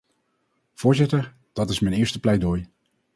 Voorzitter, dat is mijn eerste pleidooi.